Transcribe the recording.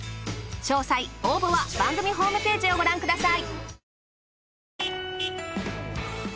詳細応募は番組ホームページをご覧ください。